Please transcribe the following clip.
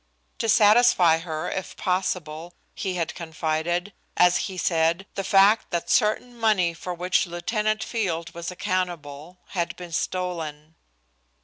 To satisfy her if possible, he had confided, as he said, the fact that certain money for which Lieutenant Field was accountable, had been stolen.